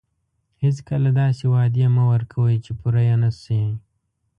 هیڅکله داسې وعدې مه ورکوئ چې پوره یې نه شئ.